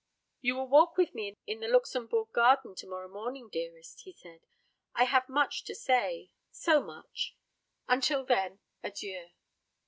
"You will walk with me in the Luxembourg garden to morrow morning, dearest," he said. "I have so much to say so much. Until then, adieu!"